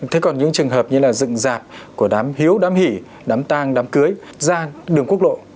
thế còn những trường hợp như là dựng dạp của đám hiếu đám hỷ đám tang đám cưới gian đường quốc lộ